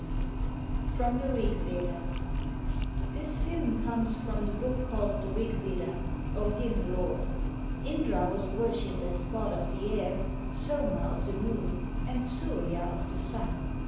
?] FROM THE RIG VEDA [Tins hymn comes from the book called the "Rig Veda," or hymn lore. Indra was worshiped as god of the air, Soma of the moon, and Surya of the sun.